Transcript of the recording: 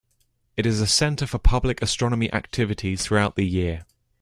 It is a center for public astronomy activities throughout the year.